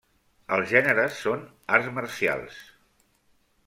Els gèneres són: arts marcials.